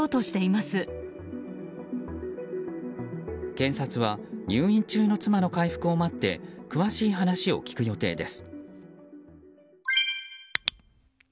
検察は入院中の妻の回復を待って詳しい話を聞く予定です。